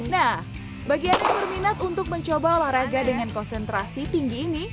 nah bagi anda yang berminat untuk mencoba olahraga dengan konsentrasi tinggi ini